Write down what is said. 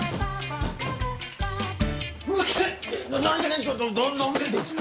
何で！？